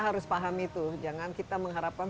harus paham itu jangan kita mengharapkan